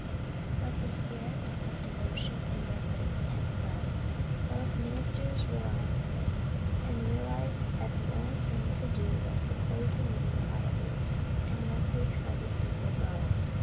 But the spirit of devotion and reverence had fled. Both ministers realized it and realized that the only thing to do was to close the meeting quietly and let the excited people go.